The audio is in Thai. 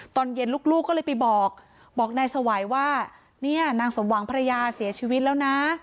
ตอนเย็นลูกก็เลยไปบอกบอกนายสวัยว่าเนี่ยนางสมหวังภรรยาเสียชีวิตแล้วนะ